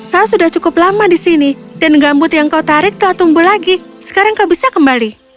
kau sudah cukup lama di sini dan gambut yang kau tarik telah tumbuh lagi sekarang kau bisa kembali